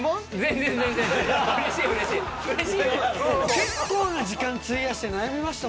結構な時間費やして悩みました